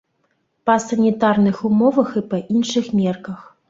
Па санітарных умовах і па іншых мерках.